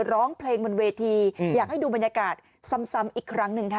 ร้องเพลงบนเวทีอยากให้ดูบรรยากาศซ้ำอีกครั้งหนึ่งค่ะ